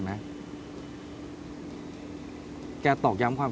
คัตซื่อโอกล่าฟาร์ม